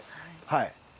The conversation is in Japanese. はい。